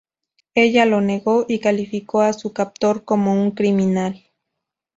Ella lo negó y calificó a su captor como un "criminal".